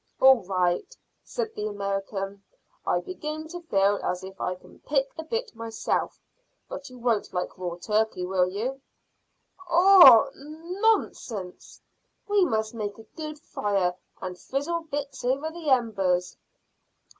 "All right," said the American. "I begin to feel as if I can pick a bit myself; but you won't like raw turkey, will you?" "Haw? Nonsense! We must make a good fire, and frizzle bits over the embers."